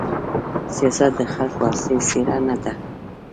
سیاست د خلکو اصلي څېره نه ده.